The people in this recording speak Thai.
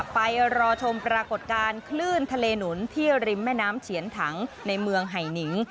ไปรอชมปรากฏการณ์คลื่นทะเลหนุนที่ริมแม่น้ำเฉียนถังในเมืองไห่นิง